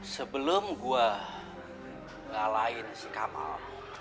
sebelum gua ngalahin si kamal